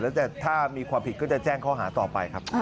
แล้วถ้ามีความผิดก็จะแจ้งข้อหาต่อไปครับ